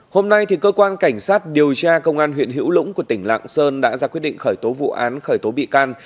hôm nay cơ quan cảnh sát điều tra công an huyện hữu lũng của tỉnh lạng sơn đã ra quyết định khởi tố vụ án khởi tố bị can